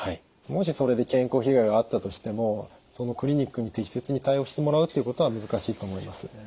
もしそれで健康被害があったとしてもそのクリニックに適切に対応してもらうっていうことは難しいと思います。